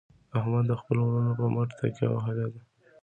احمد د خپلو ورڼو په مټ تکیه وهلې ده.